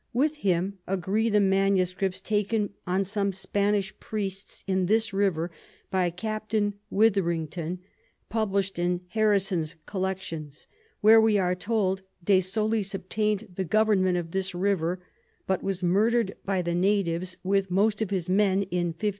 With him agree the Manuscripts taken on some Spanish Priests in this River by Capt. Withrington, publish'd in Harris's Collections; where we are told, De Solis obtain'd the Government of this River, but was murder'd by the Natives with most of his Men in 1515.